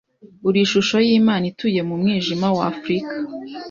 uri ishusho yImana ituye mu mwijima wa Afurika